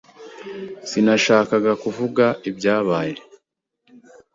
Sinashakaga kuvuga ibyabaye.